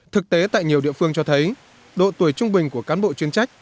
thực tế tại nhiều địa phương cho thấy độ tuổi trung bình của cán bộ chuyên trách